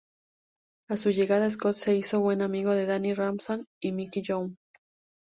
A su llegada Scott se hizo buen amigo de Danny Ramsay y Mike Young.